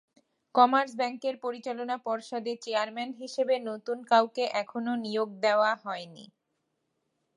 Commerce ব্যাংকের পরিচালনা পর্ষদে চেয়ারম্যান হিসেবে নতুন কাউকে এখনো নিয়োগ দেওয়া হয়নি।